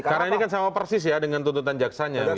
karena ini kan sama persis ya dengan tuntutan jaksanya